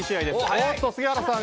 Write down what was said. おっと、杉原さん